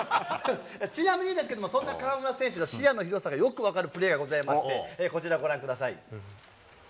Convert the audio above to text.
ちなみにですけれども、そんな河村選手の視野の広さがよく分かるプレーがありまして、こちら、ご覧ください。